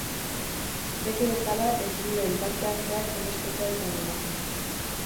Beti bezala, entzuleen parte-hartzea ezinbestekoa izango da.